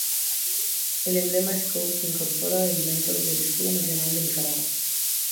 El emblema Scout incorpora elementos del Escudo nacional de Nicaragua.